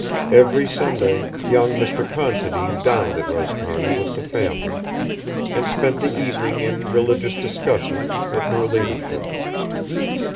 Every Sunday young Mr. Considine dined at Roscarna with the family, and spent the evening in religious discussions with her ladyship.